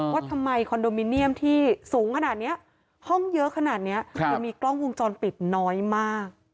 ว่าทำไมคอนโดมิเนียมที่สูงขนาดนี้ห้องเยอะขนาดนี้มันมีกล้องวงจรปิดน้อยมาก